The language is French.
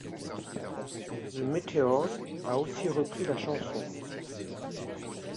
The Meteors a aussi repris la chanson.